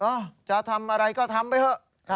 จะทำอะไรก็ทำไปเถอะ